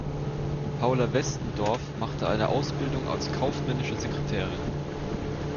Paula Westendorf machte eine Ausbildung als kaufmännische Sekretärin.